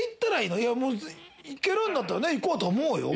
いやもう行けるんだったらね行こうとは思うよ